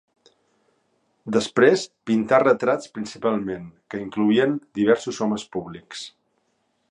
Després, pintà retrats principalment, que incloïen diversos homes públics.